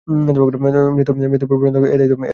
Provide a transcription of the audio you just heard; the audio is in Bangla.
মৃত্যুর পূর্ব-পর্যন্ত এ দায়িত্ব পালন করেন তিনি।